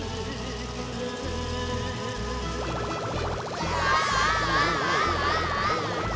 うわ！